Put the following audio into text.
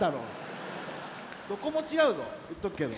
どこも違うぞ言っとくけど。